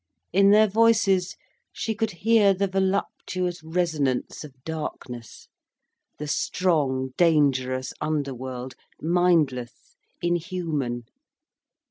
In their voices she could hear the voluptuous resonance of darkness, the strong, dangerous underworld, mindless, inhuman.